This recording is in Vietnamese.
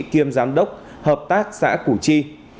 kiêm giám đốc hợp tác xã củ chi